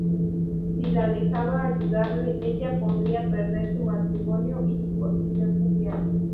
Si la dejaba ayudarle, ella podría perder su matrimonio y su posición social.